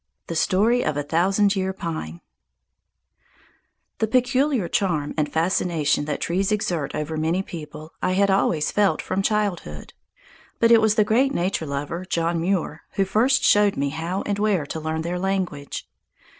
The Story of a Thousand Year Pine The peculiar charm and fascination that trees exert over many people I had always felt from childhood, but it was that great nature lover, John Muir, who first showed me how and where to learn their language.